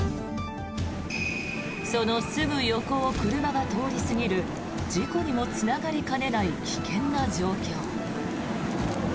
そのすぐ横を車が通り過ぎる事故にもつながりかねない危険な状況。